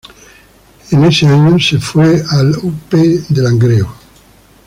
En ese año se fue al U. P. Langreo.